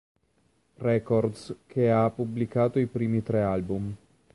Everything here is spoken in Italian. Records, che ha pubblicato i primi tre album.